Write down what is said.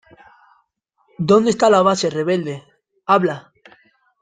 ¿ Dónde esta la base rebelde? ¡ habla!